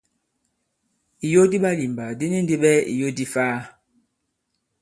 Ìyo di ɓalìmbà di ni ndi ɓɛɛ ìyo di ifaa.